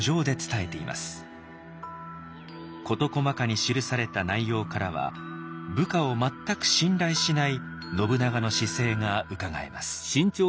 事細かに記された内容からは部下を全く信頼しない信長の姿勢がうかがえます。